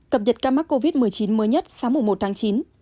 cập nhật ca mắc covid một mươi chín mới nhất sáng một mươi một tháng chín